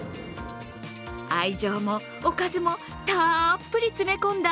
愛情もおかずもたっぷり詰め込んだ